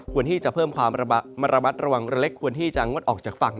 ที่จะเพิ่มความระมัดระวังเล็กควรที่จะงดออกจากฝั่ง